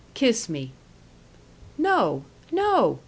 Kiss me." "No, no!"